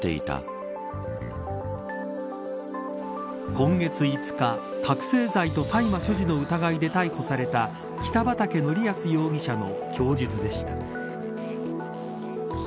今月５日、覚せい剤と大麻所持の疑いで逮捕された北畠成文容疑者の供述でした。